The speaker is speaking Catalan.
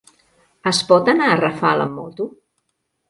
Es pot anar a Rafal amb moto?